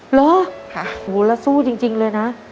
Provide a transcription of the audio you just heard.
หรือหนูละสู้จริงเลยนะค่ะ